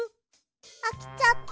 あきちゃった。